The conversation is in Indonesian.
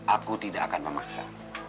aku tidak akan memaksa